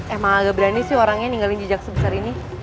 emang agak berani sih orangnya ninggalin jejak sebesar ini